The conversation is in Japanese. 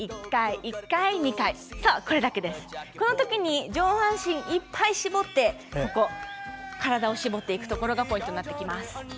このときに上半身いっぱい絞って体を絞っていくことがポイントになっていきます。